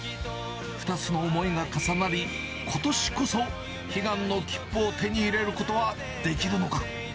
２つの思いが重なり、ことしこそ、悲願の切符を手に入れることはできるのか。